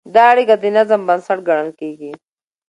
دا اړیکه د نظم بنسټ ګڼل کېږي.